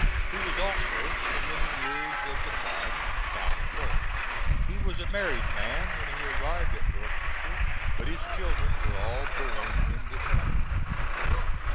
He was also, for many years of the time, town clerk. He was a married man when he arrived at Dorchester, but his children were all born in this country.